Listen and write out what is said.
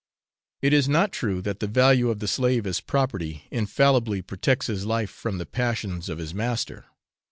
It is not true that the value of the slave as property infallibly protects his life from the passions of his master.